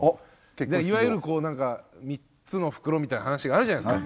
いわゆるこうなんか３つの袋みたいな話があるじゃないですか。